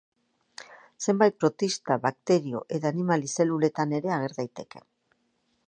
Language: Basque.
Zenbait protista, bakterio eta animali zeluletan ere ager daiteke.